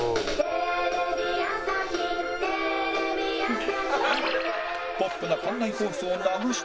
「テレビ朝日テレビ朝日」